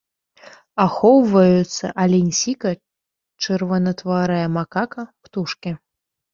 Ахоўваюцца алень-сіка, чырванатварая макака, птушкі.